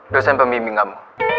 dosen pembimbing kamu